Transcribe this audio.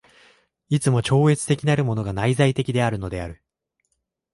いつも超越的なるものが内在的であるのである。